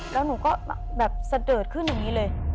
แล้วหนูก็แบบสะเดิดขึ้นอย่างนี้เลย